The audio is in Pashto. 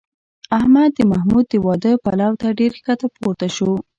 احمد د محمود د واده پلو ته ډېر ښکته پورته شو